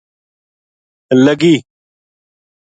لگی